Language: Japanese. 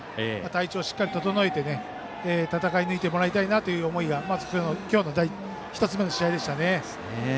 体調をしっかり整えて戦い抜いてもらいたいなという思いが今日の１つ目の試合でしたね。